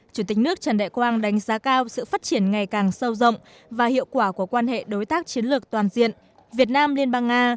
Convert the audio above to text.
chủ tịch nước trần đại quang đánh giá cao sự phát triển ngày càng sâu rộng và hiệu quả của quan hệ đối tác chiến lược toàn diện việt nam liên bang nga